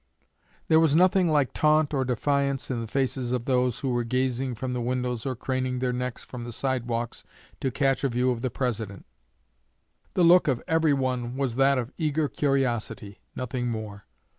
There was nothing like taunt or defiance in the faces of those who were gazing from the windows or craning their necks from the sidewalks to catch a view of the President. The look of every one was that of eager curiosity nothing more.